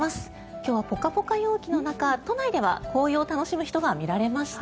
今日はポカポカ陽気の中都内では紅葉を楽しむ人が見られました。